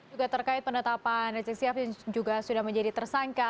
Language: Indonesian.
juga terkait penetapan rizik sihab yang juga sudah menjadi tersangka